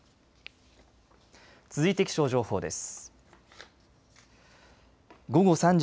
続いて気象情報です。